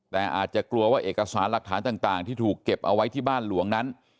แต่อาจจะกลัวว่าเอกสารหลักฐานต่างที่ถูกเก็บเอาไว้ที่บ้านหลวงนั้น